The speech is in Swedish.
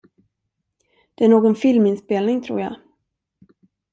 Det är någon filminspelning, tror jag.